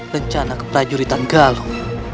rencana keperajuritan galuh